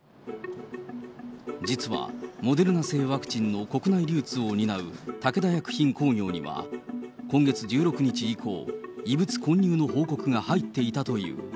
実はモデルナ製ワクチンの国内流通を担う武田薬品工業には、今月１６日以降、異物混入の報告が入っていたという。